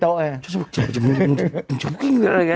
ตัดปลูกเชือกไปที่โต๊ะไง